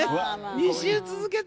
２週続けて。